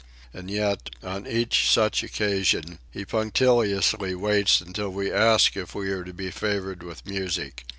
And yet, on each such occasion, he punctiliously waits until we ask if we are to be favoured with music.